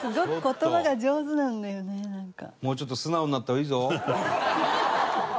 もうちょっと素直になった方がいいぞ。